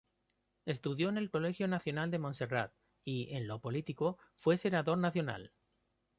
Estudió en el Colegio Nacional de Monserrat, y, en lo político, fue senador nacional.